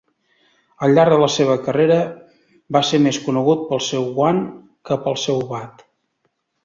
Al llarg de la seva carrera, va ser més conegut pel seu guant que pel seu bat.